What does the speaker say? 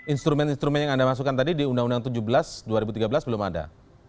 instrumen instrumen yang anda masukkan tadi di undang undang tujuh belas dua ribu tiga belas belum ada